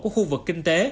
của khu vực kinh tế